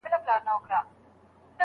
ورځ دي په اوښکو شپه دي ناښاده